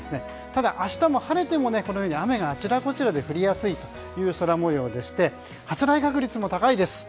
ただ明日も晴れても、雨があちらこちらで降りやすいという空模様でして発雷確率も高いです。